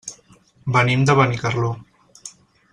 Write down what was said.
Venim de Benicarló.